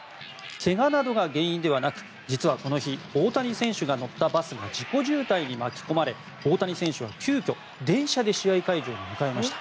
けがなどが原因ではなく実はこの日大谷選手が乗ったバスが事故渋滞に巻き込まれ大谷選手は急きょ電車で試合会場に向かいました。